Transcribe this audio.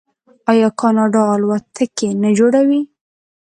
آیا کاناډا الوتکې نه جوړوي؟